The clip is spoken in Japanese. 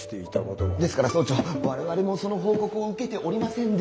ですから総長我々もその報告を受けておりませんで。